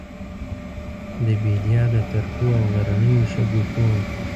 د بیدیا د ترخو او غرنیو شګوفو،